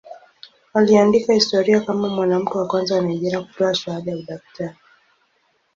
Aliandika historia kama mwanamke wa kwanza wa Nigeria kupewa shahada ya udaktari.